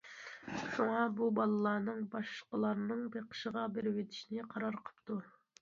شۇڭا بۇ بالىلارنىڭ باشقىلارنىڭ بېقىشىغا بېرىۋېتىشنى قارار قىپتۇ.